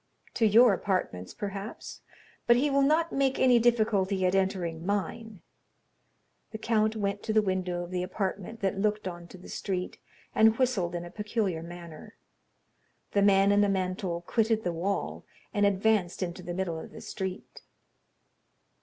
"To your apartments, perhaps; but he will not make any difficulty at entering mine." The count went to the window of the apartment that looked on to the street, and whistled in a peculiar manner. The man in the mantle quitted the wall, and advanced into the middle of the street.